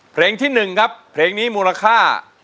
เพลงที่๑ครับเพลงนี้มูลค่า